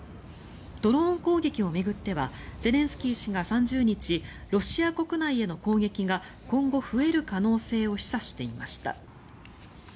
ドローン攻撃を巡ってはゼレンスキー氏が３０日ロシア国内への攻撃が今後増える可能性を示唆していました。